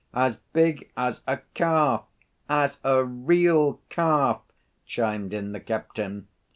"As big as a calf, as a real calf," chimed in the captain.